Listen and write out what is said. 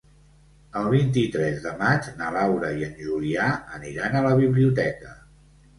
El vint-i-tres de maig na Laura i en Julià aniran a la biblioteca.